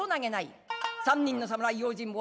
三人の侍用心棒。